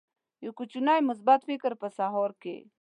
یو کوچنی مثبت فکر په سهار کې